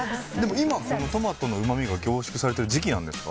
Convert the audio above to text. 今、トマトのうまみが凝縮されている時期なんですか。